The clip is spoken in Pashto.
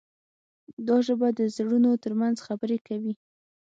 دا ژبه د زړونو ترمنځ خبرې کوي.